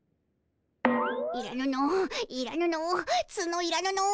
いらぬのいらぬのツノいらぬの。